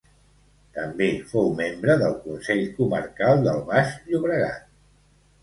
També fou membre del Consell Comarcal del Baix Llobregat.